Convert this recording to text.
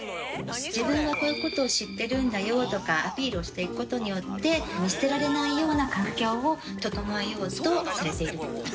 自分はこういう事を知ってるんだよとかアピールをしていく事によって見捨てられないような環境を整えようとされていると。